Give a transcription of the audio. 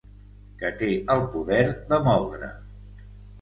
Que té el poder de moldre.